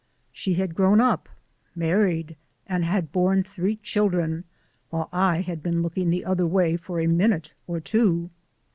She had grown up, married, and had borne three children, while I had been looking the other way for a minute or two.